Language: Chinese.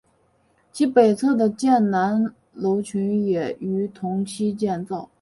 其北侧的建南楼群也于同期建造。